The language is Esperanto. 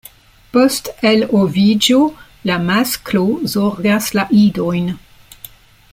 Post eloviĝo la masklo zorgas la idojn.